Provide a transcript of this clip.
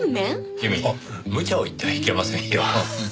君むちゃを言ってはいけませんよ。